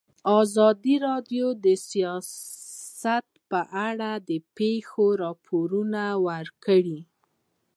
ازادي راډیو د سیاست په اړه د پېښو رپوټونه ورکړي.